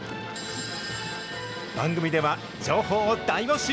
番組では情報を大募集。